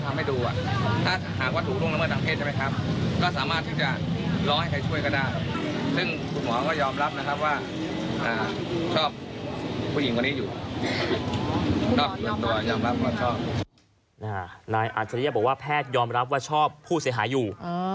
อาจริยะบอกว่าแพทยอมรับว่าชอบผู้เสียหายอยู่